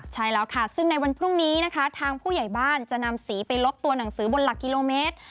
ใช่แล้วค่ะซึ่งในวันพรุ่งนี้นะคะทางผู้ใหญ่บ้านจะนำสีไปลบตัวหนังสือบนหลักกิโลเมตร